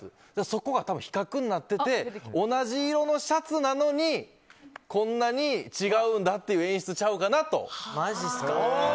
そこが多分比較になってて同じ色のシャツなのにこんなに違うんだという演出ちゃうかなと。